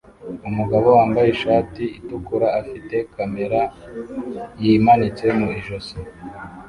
Umugabo wambaye ishati itukura afite kamera yimanitse mu ijosi